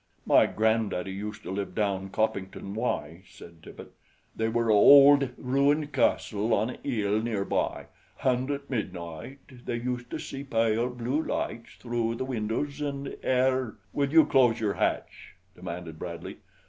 "My grandaddy used to live down Coppington wy," said Tippet. "They were a hold ruined castle on a 'ill near by, hand at midnight they used to see pale blue lights through the windows an 'ear " "Will you close your hatch!" demanded Bradley.